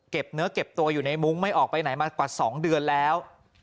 เนื้อเก็บตัวอยู่ในมุ้งไม่ออกไปไหนมากว่า๒เดือนแล้ว